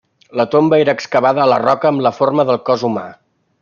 La tomba era excavada a la roca amb la forma del cos humà.